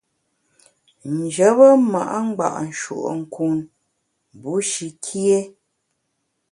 Njebe ma’ ngba’ nshùe’nkun bushi kié.